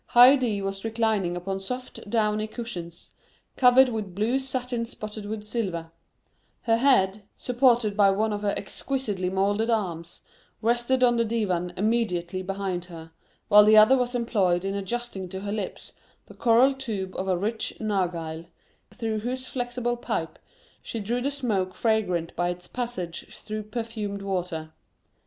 Haydée was reclining upon soft downy cushions, covered with blue satin spotted with silver; her head, supported by one of her exquisitely moulded arms, rested on the divan immediately behind her, while the other was employed in adjusting to her lips the coral tube of a rich narghile, through whose flexible pipe she drew the smoke fragrant by its passage through perfumed water.